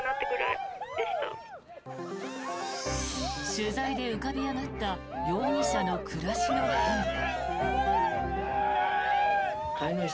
取材で浮かび上がった容疑者の暮らしの変化。